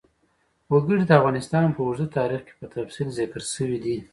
وګړي د افغانستان په اوږده تاریخ کې په تفصیل ذکر شوی دی.